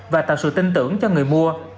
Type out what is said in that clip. và tạo sự tin tưởng cho người mua